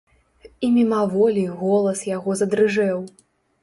І мімаволі голас яго задрыжэў.